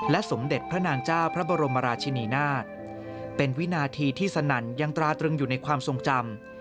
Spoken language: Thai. สมเด็จพระนางเจ้าพระบรมราชินีนาฏเป็นวินาทีที่สนั่นยังตราตรึงอยู่ในความทรงจำ